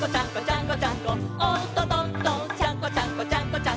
「ちゃんこちゃんこちゃんこちゃん